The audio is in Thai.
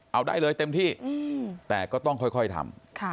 เอาได้เลยเต็มที่อืมแต่ก็ต้องค่อยค่อยทำค่ะ